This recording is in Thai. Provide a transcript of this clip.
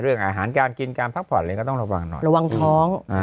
อาหารการกินการพักผ่อนอะไรก็ต้องระวังหน่อยระวังท้อง